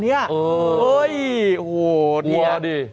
เฮ้ยโอ้โฮเดี๋ยวดิ